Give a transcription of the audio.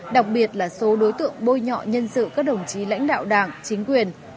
đặc biệt là số đối tượng bôi nhọ nhân sự các đồng chí lãnh đạo đảng chính quyền